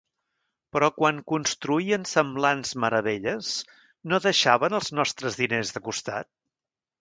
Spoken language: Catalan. Però quan construïen semblants meravelles, no deixaven els nostres diners de costat?